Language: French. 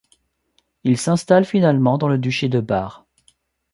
Ils s'installent finalement dans le duché de Bar.